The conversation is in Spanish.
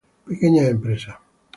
Pequeñas empresas